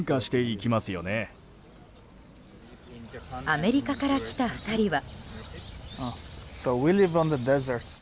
アメリカから来た２人は。